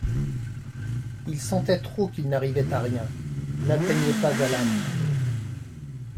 Il sentait trop qu'il n'arrivait à rien, n'atteignait pas à l'âme.